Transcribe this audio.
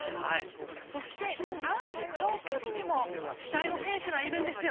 そして男子長距離にも期待の選手がいるんですよ。